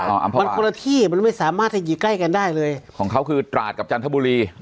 มันคนละที่มันไม่สามารถที่กล้ายกันได้เลยของเขาคือตราดกับจันทบุรี